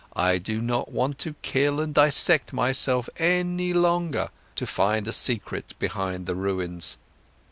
I do not want to kill and dissect myself any longer, to find a secret behind the ruins.